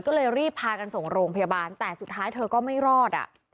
ก็เลยรีบพากันส่งโรงพยาบาลแต่สุดท้ายเธอก็ไม่รอด